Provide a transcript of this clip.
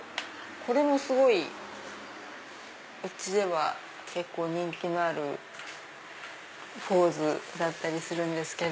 これもすごいうちでは結構人気のあるポーズだったりするんですけど。